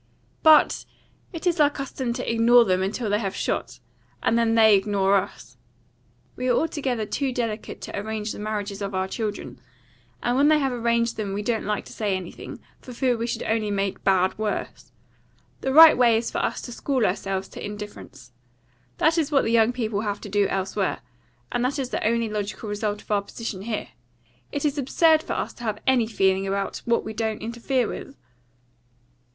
But it is our custom to ignore them until they have shot, and then they ignore us. We are altogether too delicate to arrange the marriages of our children; and when they have arranged them we don't like to say anything, for fear we should only make bad worse. The right way is for us to school ourselves to indifference. That is what the young people have to do elsewhere, and that is the only logical result of our position here. It is absurd for us to have any feeling about what we don't interfere with."